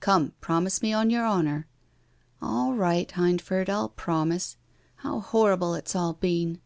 Come, promise me on your honour.'' "All right, Hindford, I'll promise. How hor rible it's all been